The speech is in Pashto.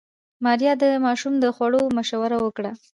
ماريا د ماشوم د خوړو مشوره ورکړه.